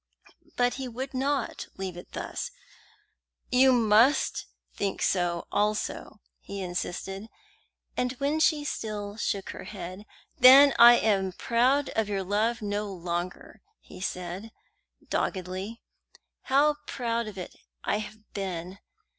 But he would not leave it thus. "You must think so also," he insisted; and when she still shook her head, "Then I am proud of your love no longer," said he, doggedly. "How proud of it I have been!